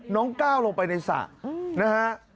ก้าวลงไปในสระนะฮะ